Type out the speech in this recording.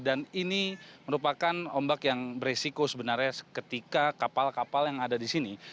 dan ini merupakan ombak yang beresiko sebenarnya ketika kapal kapal yang ada di sini